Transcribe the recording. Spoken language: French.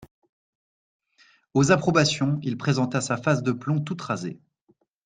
Aux approbations, il présenta sa face de plomb toute rasée.